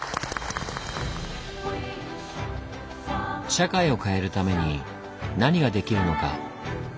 社会を変えるために何ができるのか。